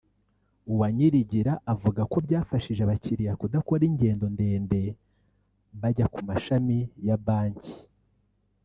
Uwanyirigira avuga ko byafashije abakiriya kudakora ingendo ndende bajya ku mashami ya banki